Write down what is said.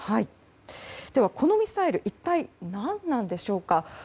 では、このミサイル一体何なんでしょうか。